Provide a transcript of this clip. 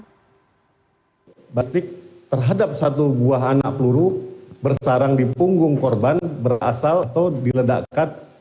batik terhadap satu buah anak peluru bersarang di punggung korban berasal atau diledakkan